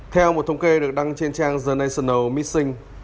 theo một thông kê được đăng trên trang the national missing